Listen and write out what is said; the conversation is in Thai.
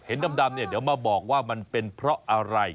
ดำเนี่ยเดี๋ยวมาบอกว่ามันเป็นเพราะอะไร